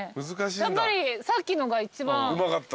やっぱりさっきのが一番うまかった。